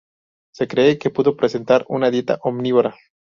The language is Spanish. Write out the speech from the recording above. Se cree que pudo presentar una dieta omnívora.